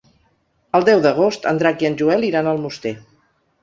El deu d'agost en Drac i en Joel iran a Almoster.